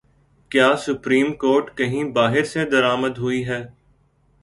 کیا supreme court کہیں باہر سے درآمد ہوئی ہے؟